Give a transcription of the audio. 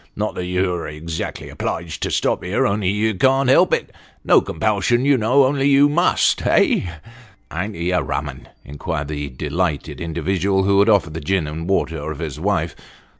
" Not that you're exactly obliged to stop here, only you can't help it. No compulsion, you know, only you must eh ?"" A'n't he a rum un ?" inquired the delighted individual, who had offered the gin and water, of his wife.